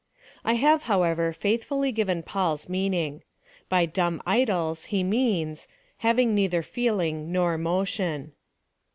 I have, however, faithfully given Paul's meaning. By dumb idols he means — having neither feeling nor motion.